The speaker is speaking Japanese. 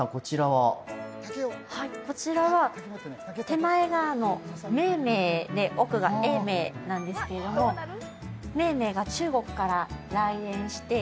はいこちらは手前が梅梅で奥が永明なんですけれども梅梅が中国から来園して